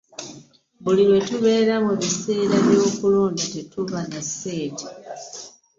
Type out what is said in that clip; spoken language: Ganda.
Buli lwe tubeera mu biseera by'okulonda tetuba na ssente.